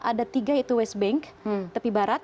ada tiga yaitu west bank tepi barat